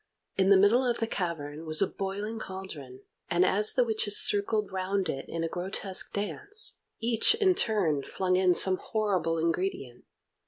In the middle of the cavern was a boiling cauldron, and as the witches circled round it in a grotesque dance, each in turn flung in some horrible ingredient.